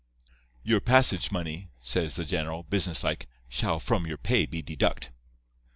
"'Your passage money,' says the general, business like, 'shall from your pay be deduct.